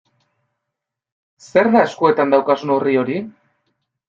Zer da eskuetan daukazun orri hori?